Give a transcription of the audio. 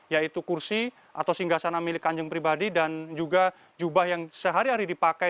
yaitu kursi atau singgah sana milik kanjeng pribadi dan juga jubah yang sehari hari dipakai